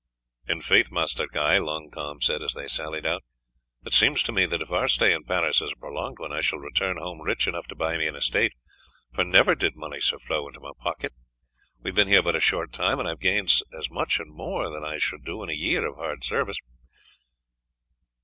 "In faith, Master Guy," Long Tom said as they sallied out, "it seems to me that if our stay in Paris is a prolonged one I shall return home rich enough to buy me an estate, for never did money so flow into my pocket. We have been here but a short time, and I have gained as much and more than I should do in a year of hard service.